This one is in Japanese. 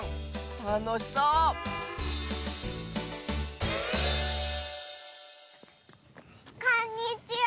たのしそうこんにちは！